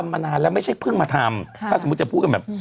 มาทำถ้าสมมุติแบบ